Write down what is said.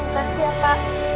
saya siap pak